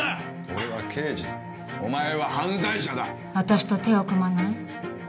俺は刑事だお前は犯罪者だ私と手を組まない？